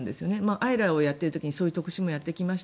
「ＡＥＲＡ」をやっている時にそういう特集をやってきました。